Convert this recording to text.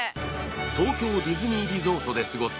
東京ディズニーリゾートで過ごす